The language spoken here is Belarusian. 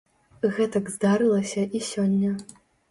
Гэтак здарылася і сёння.